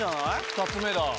２つ目だ。